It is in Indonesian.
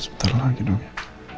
sebentar lagi dong ya